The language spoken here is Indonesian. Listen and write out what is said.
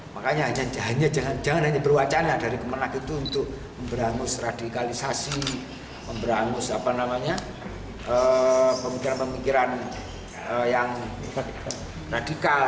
makanya jangan hanya berwacana dari kma untuk memberangus radikalisasi memberangus pemikiran pemikiran yang radikal